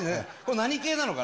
何系なのかな。